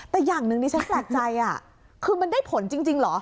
แต่อย่างหนึ่งที่ฉันแปลกใจคือมันได้ผลจริงเหรอ